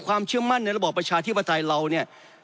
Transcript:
ความเชื่อมั่นในระบอบประชาธิปไตยเราเนี่ย